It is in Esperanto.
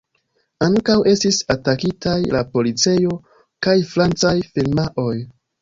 Ankaŭ estis atakitaj la policejo kaj francaj firmaoj.